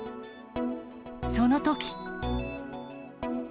そのとき。